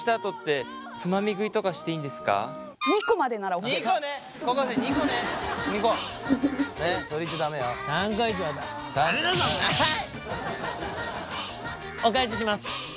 お返しします。